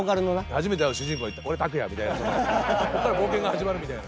初めて会う主人公が「俺ＴＡＫＵＹＡ∞」みたいなそこから冒険が始まるみたいな。